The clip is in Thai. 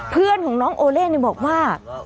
เพื่อนของน้องโอเล่บอกว่า